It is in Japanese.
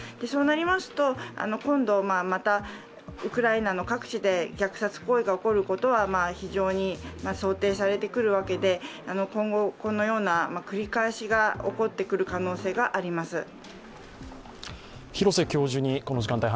そうなりますと今度、またウクライナの各地で虐殺行為が起こることは非常に想定されてくるわけで、今後このような繰り返しが起こってくる可能性があります。